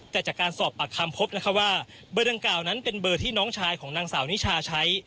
แต่จากการสอบปากคำพบนะคะว่าเบอร์ดังกล่าวนั้นเป็นเบอร์ที่น้องชายของนางสาวนิชาใช้